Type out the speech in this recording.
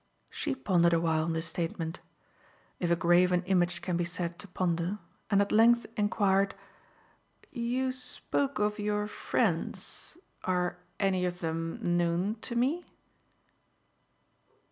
She pondered awhile on this statement if a graven image can be said to ponder and at length enquired: "You spoke of your friends. Are any of them known to me?"